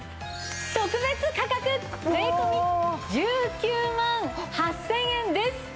特別価格税込１９万８０００円です。